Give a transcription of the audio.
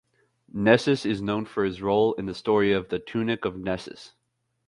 Nessus is known for his role in the story of the Tunic of Nessus.